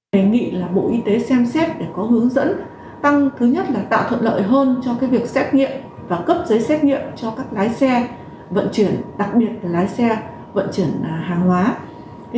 đề nghị bộ y tế xem xét để có hướng dẫn tăng thứ nhất là tạo thuận lợi hơn cho việc xét nghiệm và cấp giấy xét nghiệm cho các lái xe vận chuyển đặc biệt là lái xe vận chuyển hàng hóa